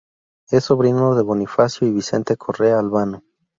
Es sobrino de Bonifacio y Vicente Correa Albano.